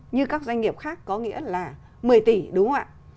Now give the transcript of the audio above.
như các doanh nghiệp khác có nghĩa là một mươi tỷ đúng không ạ